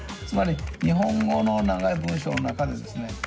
つまり日本語の長い文章の中でですね